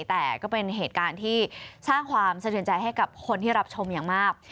แต่ก็เป็นเหตุการณ์ที่สร้างความสะเทือนใจให้กับคนที่รับชมอย่างมาก